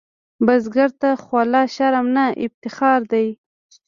بزګر ته خوله شرم نه، افتخار دی